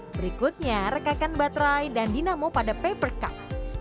berikutnya rekakan baterai dan dinamo pada paper cup